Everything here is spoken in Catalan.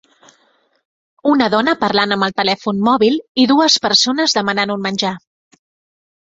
Una dona parlant amb el telèfon mòbil i dues persones demanant un menjar